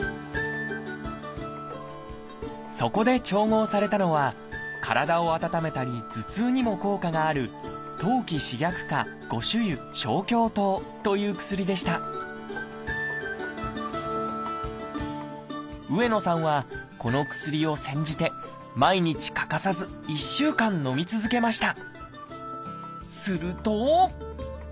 そこで調合されたのは体を温めたり頭痛にも効果があるという薬でした上野さんはこの薬を煎じて毎日欠かさず１週間のみ続けました。